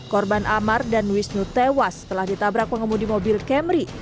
korban amar dan wisnu tewas setelah ditabrak pengemudi mobil camri